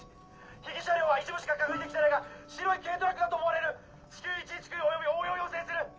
被疑車両は一部しか確認できてないが白い軽トラックだと思われる至急１１９および応援を要請する！